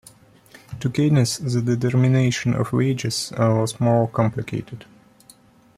To Keynes, the determination of wages was more complicated.